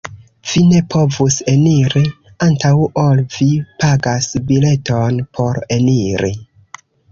Vi ne povus eniri antaŭ ol vi pagas bileton por eniri.